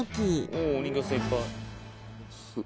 おっお人形さんいっぱい。